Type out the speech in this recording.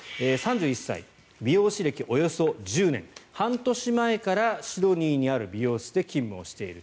３１歳美容師歴およそ１０年半年前からシドニーにある美容室で勤務している。